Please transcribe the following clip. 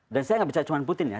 dan saya tidak bicara cuma putin ya